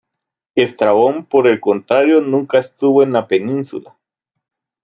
Estrabón por el contrario nunca estuvo en la península.